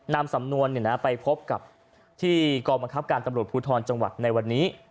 นำสำนวนไปพบกับที่กองบังคับการตำรวจภูทรจังหวัดในวันนี้